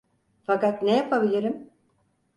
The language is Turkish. Fakat ne yapabilirim?